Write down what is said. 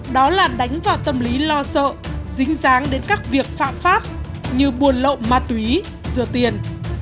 đó là đánh vào tâm lý lo sợ dính dáng đến các việc phạm pháp như buồn lậu ma túy rửa tiền